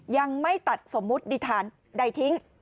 ยังไม่ตัดสมมุติดิษฐานใดทิ้ง